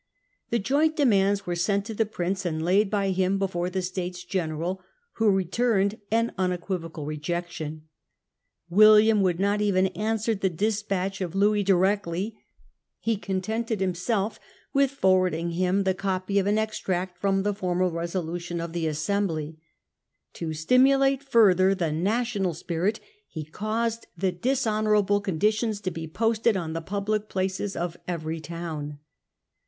The joint demands were sent to the Prince, and laid by him before the States General, who returned an 214 Invasion of the United Provinces, 1672. unequivocal rejection. William would not even answer the despatch of Louis directly ;£he contented himself His refusal forwarding him the copy of an extract demanSof ^ rom ^e f° rma l resolution of the assembly. Louis and To stimulate further the national spirit he Charles. caused the dishonouring conditions to be posted on the public places of every town.